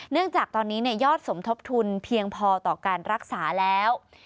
จากตอนนี้ยอดสมทบทุนเพียงพอต่อการรักษาแล้ว